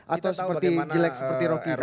atau seperti jelek seperti rocky tadi